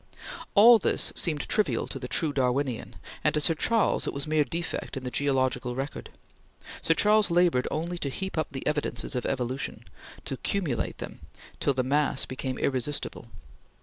All this seemed trivial to the true Darwinian, and to Sir Charles it was mere defect in the geological record. Sir Charles labored only to heap up the evidences of evolution; to cumulate them till the mass became irresistible.